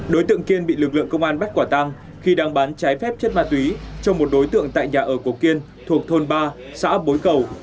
đối tượng kiên bị lực lượng công an bắt quả tăng khi đang bán trái phép chất ma túy cho một đối tượng tại nhà ở của kiên thuộc thôn ba xã bối cầu